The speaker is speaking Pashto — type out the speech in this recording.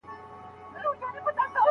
چي مي زړه ته رانیژدې وي